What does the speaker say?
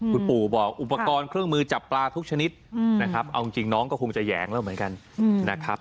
คุณปู่บอกอุปกรณ์เครื่องมือจับปลาทุกชนิดนะครับเอาจริงน้องก็คงจะแหยงแล้วเหมือนกันนะครับ